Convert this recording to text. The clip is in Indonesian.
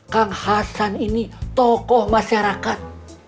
kang hasan ini tokoh masyarakat